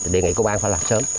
đề nghị công an phải làm sớm